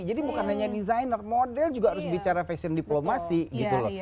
jadi bukan hanya desainer model juga harus bicara fashion diplomasi gitu loh